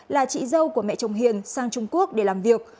là chị dâu của mẹ chồng hiền sang trung quốc để làm việc